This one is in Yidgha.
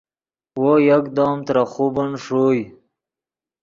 وو یکدم ترے خوبن ݰوئے